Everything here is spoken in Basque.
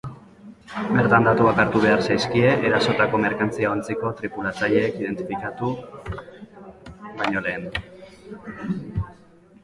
Bertan datuak hartu behar zaizkie, erasotako merkantzia-ontziko tripulatzaileek identifikatu baino lehen.